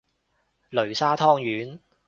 擂沙湯圓